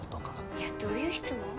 いやどういう質問？